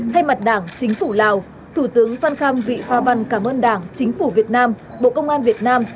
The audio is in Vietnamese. thay mặt đảng chính phủ lào thủ tướng phan khâm vị hoa văn cảm ơn đảng chính phủ việt nam bộ công an việt nam